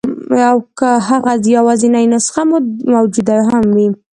او که هغه یوازنۍ نسخه موجوده هم وي.